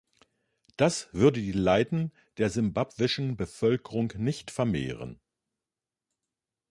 Das würde die Leiden der simbabwischen Bevölkerung nicht vermehren.